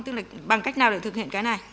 tức là bằng cách nào để thực hiện cái này